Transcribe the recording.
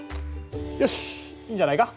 よしいいんじゃないか。